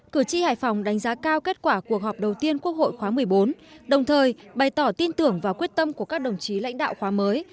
cử tri hải phòng đánh giá cao kết quả cuộc họp đầu tiên quốc hội khóa một mươi bốn đồng thời bày tỏ tin tưởng và quyết tâm của các đồng chí lãnh đạo khóa mới